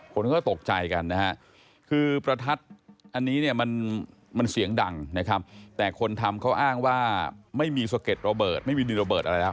คนก็ตกใจกันนะฮะคือประทัดอันนี้เนี่ยมันเสียงดังนะครับแต่คนทำเขาอ้างว่าไม่มีสะเก็ดระเบิดไม่มีดินระเบิดอะไรแล้ว